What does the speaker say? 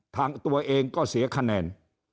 ตัวเองก็เสียคะแนน